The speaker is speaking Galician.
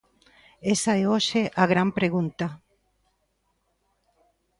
Esa é hoxe a gran pregunta.